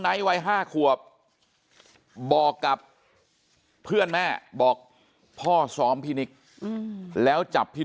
วัย๕ขวบบอกกับเพื่อนแม่บอกพ่อซ้อมพี่นิกแล้วจับพี่